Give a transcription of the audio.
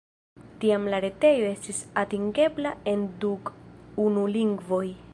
Tiam la retejo estis atingebla en dek unu lingvoj.